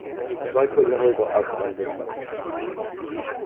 Zwei Choleriker außer Rand und Band!